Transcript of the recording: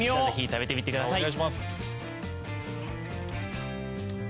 食べてみてください。